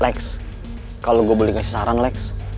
leks kalau gue boleh kasih saran leks